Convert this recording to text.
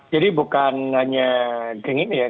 jadi bukan hanya geng ini ya